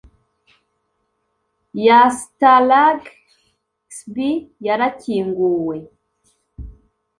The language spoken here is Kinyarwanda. ya Stalag XIB yarakinguwe